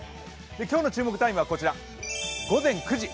今日の注目タイムはこちら、午前９時。